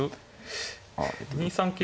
２三桂。